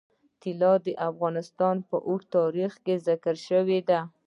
طلا د افغانستان په اوږده تاریخ کې ذکر شوی دی.